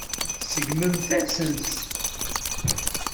Tseggmemt-asen-tt.